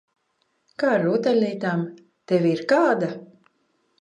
Kā ar rotaļlietām? Tev ir kāda?